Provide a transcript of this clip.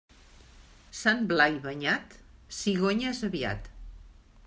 Sant Blai banyat, cigonyes aviat.